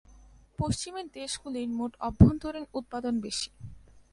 পশ্চিমের দেশগুলির মোট অভ্যন্তরীণ উৎপাদন বেশি।